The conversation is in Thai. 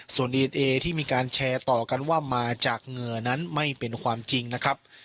ส่วนดีเอนเอที่มีการแชร์ต่อกันว่ามาจากเหงื่อนั้นไม่เป็นความจริงนะครับ